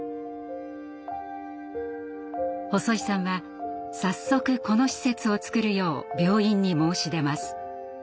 細井さんは早速この施設をつくるよう病院に申し出ます。